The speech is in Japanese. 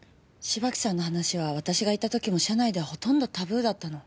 芝木さんの話は私がいた時も社内ではほとんどタブーだったの。